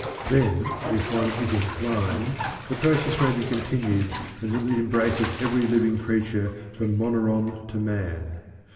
Then, if one is inclined, the process may be continued until it embraces every living creature from moneron to man.